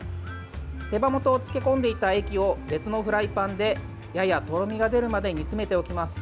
手羽元を漬け込んでいた液を別のフライパンでややとろみが出るまで煮詰めておきます。